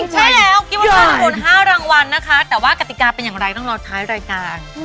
ใช่แล้วคิดว่ารอผล๕รางวัลนะคะแต่ว่ากติกาเป็นอย่างไรต้องรอท้ายรายการ